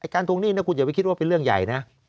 ทวงหนี้นะคุณอย่าไปคิดว่าเป็นเรื่องใหญ่นะ